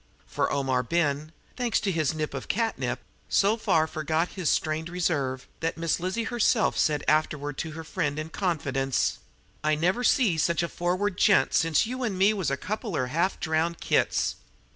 For Omar Ben thanks to his nip of catnip so far forgot his strained reserve that Miss Lizzie herself said afterward to a friend, in confidence: "I never see sech a forward gent sence me 'n' you was a couple er half way drownded kits!"